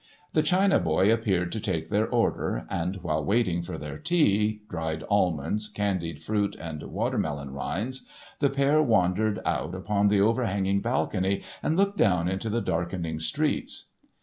The China boy appeared to take their order, and while waiting for their tea, dried almonds, candied fruit and watermelon rinds, the pair wandered out upon the overhanging balcony and looked down into the darkening streets.